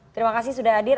terima kasih sudah hadir